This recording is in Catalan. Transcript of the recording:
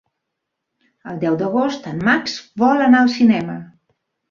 El deu d'agost en Max vol anar al cinema.